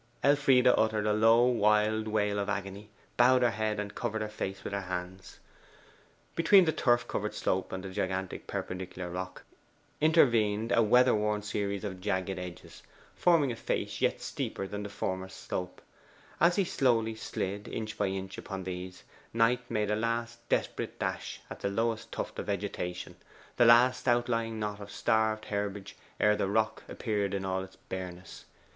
Elfride uttered a low wild wail of agony, bowed her head, and covered her face with her hands. Between the turf covered slope and the gigantic perpendicular rock intervened a weather worn series of jagged edges, forming a face yet steeper than the former slope. As he slowly slid inch by inch upon these, Knight made a last desperate dash at the lowest tuft of vegetation the last outlying knot of starved herbage ere the rock appeared in all its bareness.